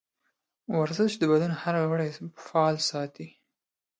ورزش د بدن هر غړی فعال ساتي.